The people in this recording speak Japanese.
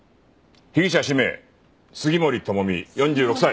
被疑者氏名杉森知美４６歳。